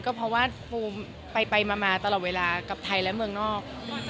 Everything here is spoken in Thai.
ก็เพราะว่าปูมไปมาตลอดเวลากับไทยและเมืองนอก